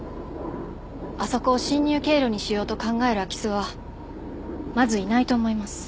あそこを侵入経路にしようと考える空き巣はまずいないと思います。